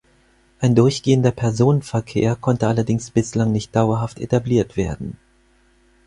Ein durchgehender Personenverkehr konnte allerdings bislang nicht dauerhaft etabliert werden.